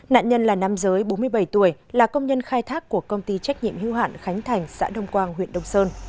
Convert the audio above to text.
nạn nhân là nam giới bốn mươi bảy tuổi là công nhân khai thác của công ty trách nhiệm hưu hạn khánh thành xã đông quang huyện đông sơn